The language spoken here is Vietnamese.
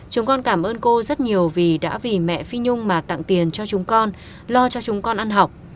chúng con cảm ơn cô rất nhiều vì đã vì mẹ phi nhung mà tặng tiền cho chúng con lo cho chúng con ăn học